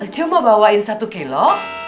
cuk mau bawain satu kilo